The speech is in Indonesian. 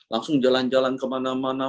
langsung jalan jalan kemana mana